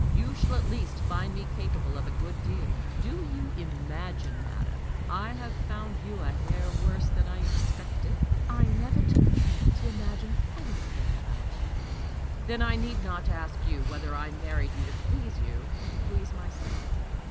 "You shall at least find me capable of a good deal. Do you imagine, madam, I have found you a hair worse than I expected?" "I never took the trouble to imagine anything about you." "Then I need not ask you whether I married you to please you or to please myself?"